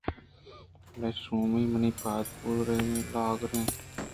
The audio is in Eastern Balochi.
بلے شُومی ءَ منی پاد بارگ ءُ لاگر اں